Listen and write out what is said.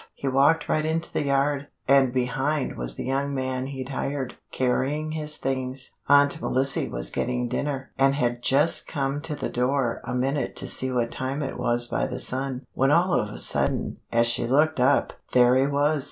He walked right into the yard, and behind was the young man he'd hired, carrying his things. Aunt Melissy was getting dinner, and had just come to the door a minute to see what time it was by the sun, when all of a sudden, as she looked up, there he was!